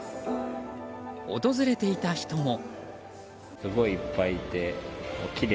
訪れていた人も。